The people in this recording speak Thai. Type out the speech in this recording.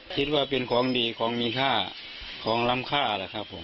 คิดว่าเป็นของดีของมีค่าของล้ำค่าแหละครับผม